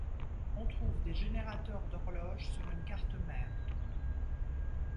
On trouve des générateurs d'horloge sur une carte mère.